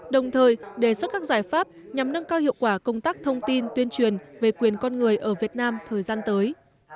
đồng thời đề xuất các giải pháp nhằm nâng cao hiệu quả công tác thông tin tuyên truyền về quyền con người ở việt nam thời gian tới